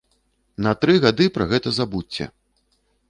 На тры гады пра гэта забудзьце!